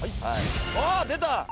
あっ出た！